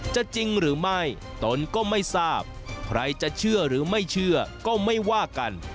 จริงหรือไม่ตนก็ไม่ทราบใครจะเชื่อหรือไม่เชื่อก็ไม่ว่ากัน